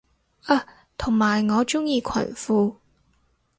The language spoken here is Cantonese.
啊同埋我鍾意裙褲